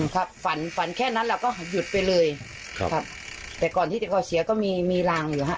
ครับฝันฝันแค่นั้นเราก็หยุดไปเลยครับครับแต่ก่อนที่จะก่อเสียก็มีมีรางอยู่ฮะ